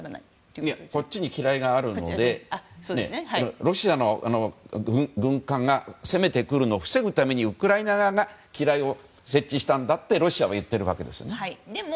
いや、こっちに機雷があるのでロシアの軍艦が攻めてくるのを防ぐためにウクライナ側が機雷を設置したんだとロシアは、言っているわけです。